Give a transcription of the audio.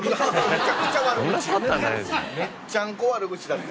めっちゃんこ悪口だった。